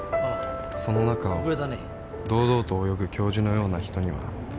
その中を堂々と泳ぐ教授のような人には